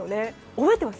覚えています？